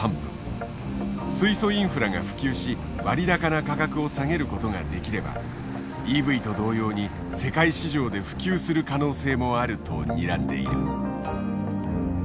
水素インフラが普及し割高な価格を下げることができればＥＶと同様に世界市場で普及する可能性もあるとにらんでいる。